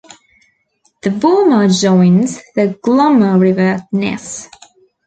The Vorma joins the Glomma River at Nes.